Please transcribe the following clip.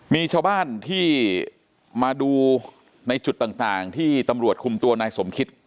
มีชาวบ้านที่มาดูในจุดต่างที่ตำรวจคุมตัวนายสมคิต